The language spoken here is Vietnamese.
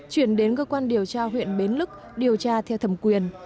chuyển đến cơ quan điều tra huyện bến lức điều tra theo thẩm quyền